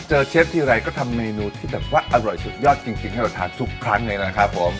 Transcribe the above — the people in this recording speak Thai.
เชฟทีไรก็ทำเมนูที่แบบว่าอร่อยสุดยอดจริงให้เราทานทุกครั้งเลยนะครับผม